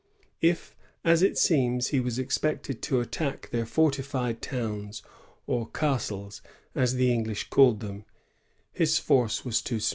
If, as it seenos, he was expected to attack their fortified towns or ^^casties," as the English call them, his force was too small.